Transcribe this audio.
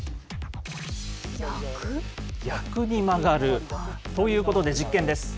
逆に曲がる、ということで、実験です。